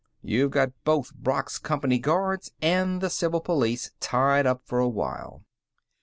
"You've got both Brock's Company guards and the civil police tied up for a while."